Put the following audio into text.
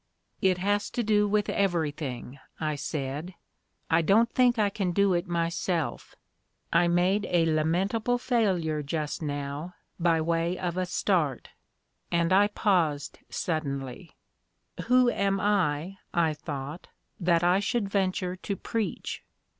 "It has to do with everything," I said; "I don't think I can do it myself; I made a lamentable failure just now by way of a start," and I paused suddenly "Who am I," I thought, "that I should venture to preach?